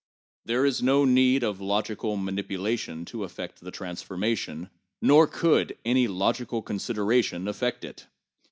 There is no need of logical manipulation to effect the transformation, nor could any logical consideration effect it.